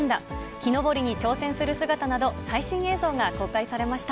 木登りに挑戦する姿など、最新映像が公開されました。